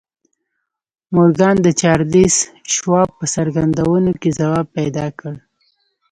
مورګان د چارليس شواب په څرګندونو کې ځواب پيدا کړ.